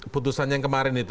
putusan yang kemarin itu